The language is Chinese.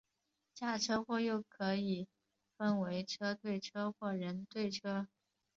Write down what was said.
假车祸又可以分为车对车或人对车。